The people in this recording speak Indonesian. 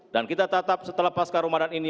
dan kita tatap setelah pasca ramadan ini